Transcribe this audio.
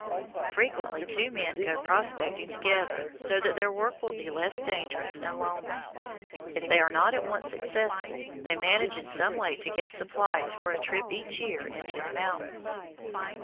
Frequently two men go prospecting together so that their work will be less dangerous and lonely. If they are not at once successful, they manage in some way to get supplies for a trip each year into the mountains.